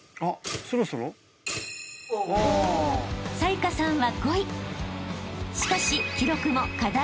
［紗優加さんは５位］